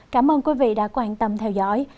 cảm ơn quý vị đã quan tâm theo dõi